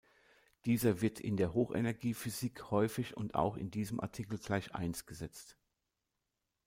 Dieser wird in der Hochenergiephysik häufig und auch in diesem Artikel gleich Eins gesetzt.